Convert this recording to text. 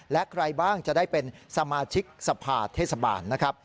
และใครบ้างจะได้เป็นสมาชิกสภาเทศบาลนะครับ